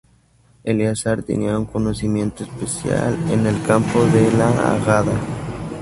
Eleazar tenía un conocimiento especial en el campo de la Hagadá.